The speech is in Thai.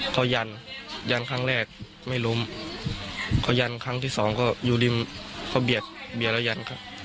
เขายันยันครั้งแรกไม่ล้มเขายันครั้งที่สองก็อยู่ริมเขาเบียดเบียดแล้วยันครับ